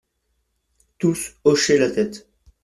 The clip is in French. Tous hochaient la tête.